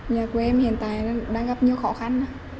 nhà của em hiện tại đang gặp nhiều khó khăn